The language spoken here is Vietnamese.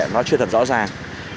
nó chưa thật rõ ràng